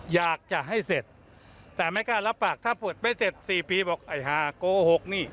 อยากจะให้เสร็จแต่ไม่กล้ารับปากถ้าเปิดไม่เสร็จ๔ปีบอกไอ้หาโกหกนี่